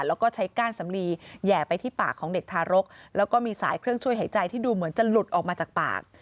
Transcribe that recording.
แล้วก็ใช้ก้านสำลีแห่ไปที่ปากของเด็กทารกแล้วก็มีสายเครื่องช่วยหายใจที่ดูเหมือนจะหลุดออกมาจากปาก